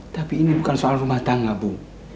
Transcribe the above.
tapi ini bukan soal rumah tangga bu